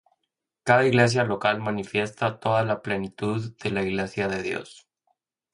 Cada Iglesia local manifiesta toda la plenitud de la Iglesia de Dios.